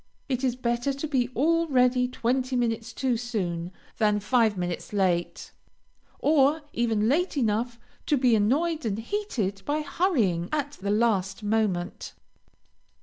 It is better to be all ready twenty minutes too soon, than five minutes late, or even late enough to be annoyed and heated by hurrying at the last moment.